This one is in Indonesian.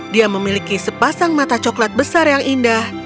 dia memiliki sepasang mata coklat besar yang indah